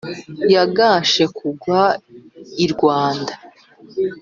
yagashe kugwa i rwanda.